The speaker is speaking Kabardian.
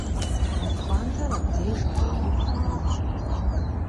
Уи пхъуантэр абдеж бгъэув хъунущ.